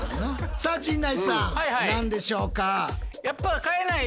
さあ陣内さん何でしょうか？